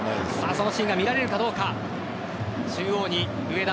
そのシーンが見られるかどうか。